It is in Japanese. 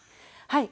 はい。